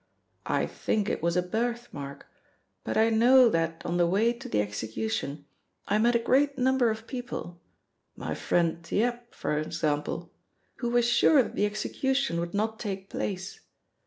I think it was a birth mark, but I know that on the way to the execution I met a great number of people my friend Thiep, for example who were sure that the execution would not take place.